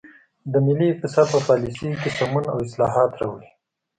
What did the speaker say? د ملي اقتصاد په پالیسیو کې سمون او اصلاحات راوړي.